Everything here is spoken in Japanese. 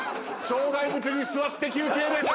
障害物に座って休憩です。